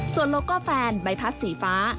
ส่วนโลโก้แฟนใบพัดสีฟ้า